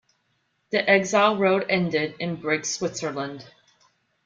The exile road ended in Brig, Switzerland.